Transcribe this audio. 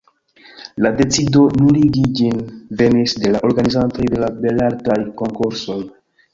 La decido nuligi ĝin venis de la organizantoj de la Belartaj Konkursoj.